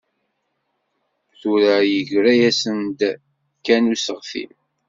Tura yeggra-asen-d kan useɣti.